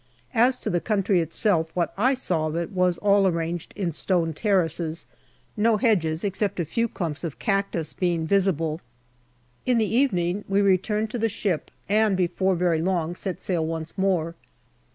AS to the country itself, what I saw of it was all arran b ! 'i stone terraces, no hedges, except a few clumps of cacti., being visible. In the evening we returned to the ship, and before very long set sail once more.